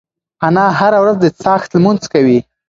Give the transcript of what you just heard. انا هره ورځ د څاښت لمونځ کوي.